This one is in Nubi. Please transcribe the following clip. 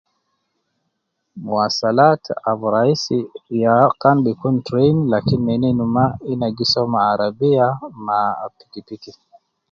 Muwasalat ab raisi ya kan bi kun train lakin nena in ma, ina gi soo me arabia ma pikipiki